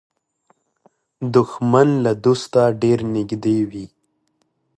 دښمن له دوسته ډېر نږدې وي